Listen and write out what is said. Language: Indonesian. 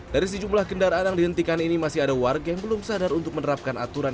dari sejumlah kendaraan yang dihentikan ini masih ada warga yang belum sadar untuk menerapkan aturan